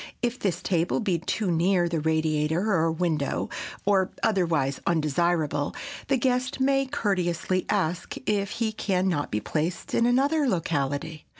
If this table be too near the radiator or window, or otherwise undesirable, the guest may courteously ask if he can not be placed in another locality.